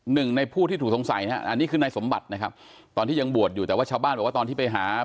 หนึ่งในผู้ที่ถูกสงสัยนะฮะอันนี้คือนายสมบัตินะครับตอนที่ยังบวชอยู่แต่ว่าชาวบ้านบอกว่าตอนที่ไปหา